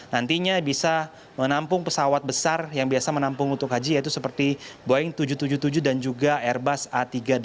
nantinya bisa menampung pesawat besar yang biasa menampung untuk haji yaitu seperti boeing tujuh ratus tujuh puluh tujuh dan juga airbus a tiga ratus delapan puluh